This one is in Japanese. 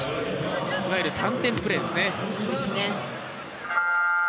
いわゆる３点プレーですね。